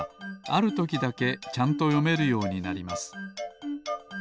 あるときだけちゃんとよめるようになります